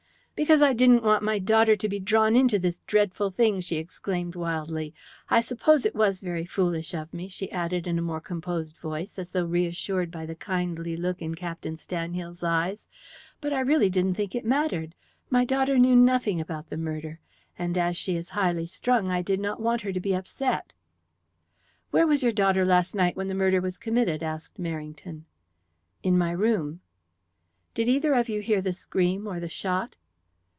"Because I didn't want my daughter to be drawn into this dreadful thing," she exclaimed wildly. "I suppose it was very foolish of me," she added, in a more composed voice, as though reassured by the kindly look in Captain Stanhill's eyes, "but I really didn't think it mattered. My daughter knew nothing about the murder and as she is highly strung I did not want her to be upset." "Where was your daughter last night when the murder was committed?" asked Merrington. "In my room." "Did either of you hear the scream or the shot?"